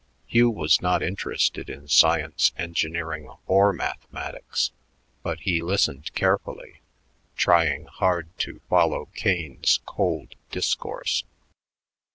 Hugh was not interested in science, engineering, or mathematics, but he listened carefully, trying hard to follow Kane's cold discourse.